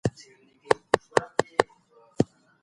جنایت د ژوند حق له منځه وړي.